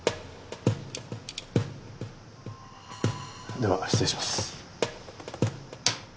では失礼します。